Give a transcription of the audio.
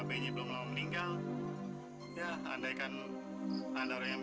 kalau melawan bajak laut